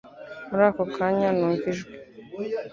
Muri ako kanya numva ijwi